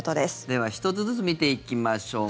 では１つずつ見ていきましょう。